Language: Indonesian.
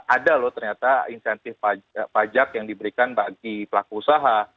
ada loh ternyata insentif pajak yang diberikan bagi pelaku usaha